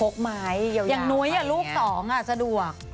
แบบนุ๊ยกับลูก๒อ่ะสะดวก